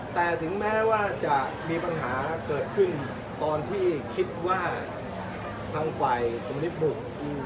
แต่ถึงแม้ว่าจะมีปัญหาเกิดขึ้นตอนที่คิดว่าทางฝ่ายตรงนี้